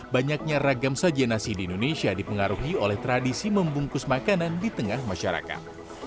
banyaknya ragam sajian nasi di indonesia dipengaruhi oleh tradisi membungkus makanan di tengah masyarakat